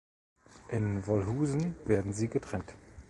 In Wolhusen werden sie getrennt.